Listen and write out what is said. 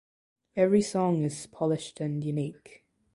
Every song is polished and unique.